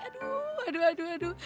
aduh aduh aduh aduh